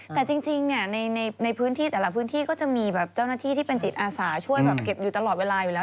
แต่จริงในพื้นที่แต่ละพื้นที่ก็จะมีแบบเจ้าหน้าที่ที่เป็นจิตอาสาช่วยแบบเก็บอยู่ตลอดเวลาอยู่แล้ว